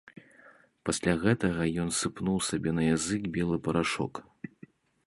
Пасля гэтага ён сыпнуў сабе на язык белы парашок.